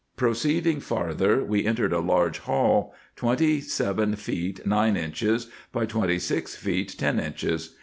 Proceeding farther, we entered a large hall, twenty seven feet nine inches by twenty six feet ten inches.